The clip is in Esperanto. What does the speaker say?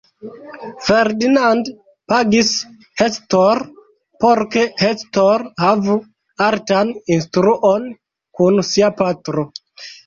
Ferdinand pagis Hector, por ke Hector havu artan instruon kun sia patro.